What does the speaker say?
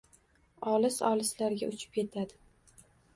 Olis-olislarga uchib yetadi